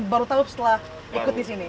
baru tahu setelah ikut di sini